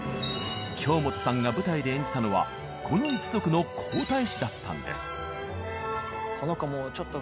京本さんが舞台で演じたのはこの一族の皇太子だったんです。